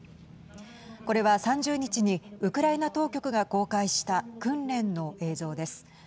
これは、３０日にウクライナ当局が公開した訓練の映像です。